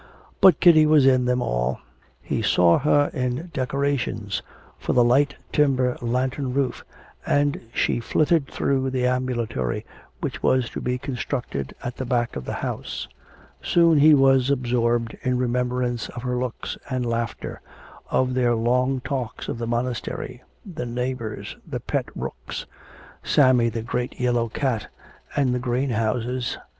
But Kitty was in them all; he saw her in decorations for the light timber lantern roof, and she flitted through the ambulatory which was to be constructed at the back of the house. Soon he was absorbed in remembrance of her looks and laughter, of their long talks of the monastery, the neighbours, the pet rooks, Sammy the great yellow cat, and the greenhouses.